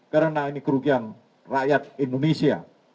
karena ini kerugian rakyat indonesia